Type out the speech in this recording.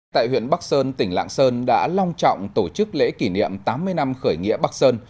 tại huyện bắc sơn tỉnh lạng sơn đã long trọng tổ chức lễ kỷ niệm tám mươi năm khởi nghĩa bắc sơn